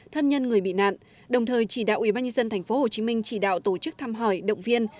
thân nhân người bị nạn đồng thời chỉ đạo ubnd tp hcm chỉ đạo tổ chức thăm hỏi động viên